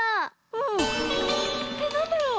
うん。えっなんだろう？